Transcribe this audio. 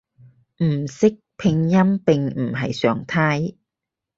唔識拼音並唔係常態